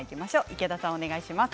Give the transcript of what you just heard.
池田さん、お願いします。